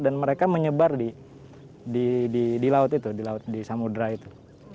dan mereka menyebar di laut itu di laut di samudera itu